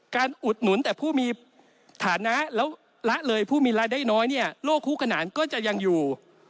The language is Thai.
อุดหนุนแต่ผู้มีฐานะแล้วละเลยผู้มีรายได้น้อยเนี่ยโลกคู่ขนานก็จะยังอยู่